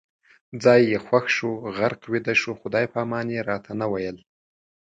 ځای یې خوښ شو، غرق ویده شو، خدای پامان یې راته نه ویل